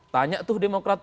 tanya tuh demokrat